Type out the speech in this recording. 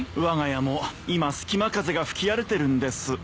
わが家も今すきま風が吹き荒れてるんです。